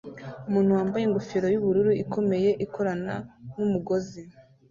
Umuntu wambaye ingofero yubururu ikomeye ikorana nu mugozi